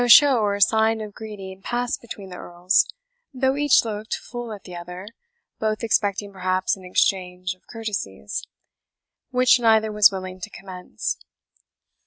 No show or sign of greeting passed between the Earls, though each looked full at the other, both expecting perhaps an exchange of courtesies, which neither was willing to commence.